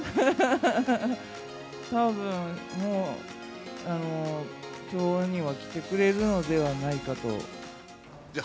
たぶん、もう、きょうには来てくれるのではないかと。